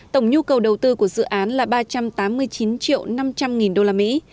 tổng nhu cầu đầu tư của dự án là ba trăm tám mươi chín triệu năm trăm linh nghìn đô la mỹ